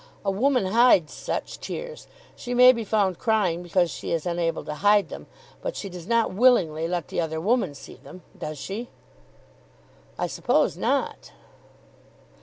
"A woman hides such tears. She may be found crying because she is unable to hide them; but she does not willingly let the other woman see them. Does she?" "I suppose not."